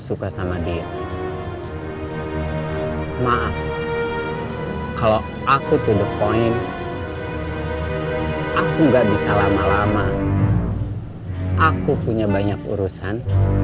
suka sama dia maaf kalau aku to the point aku nggak bisa lama lama aku punya banyak urusan